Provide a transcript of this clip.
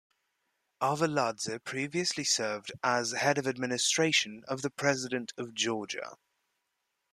Arveladze previously served as head of Administration of the President of Georgia.